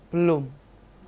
belum off air nya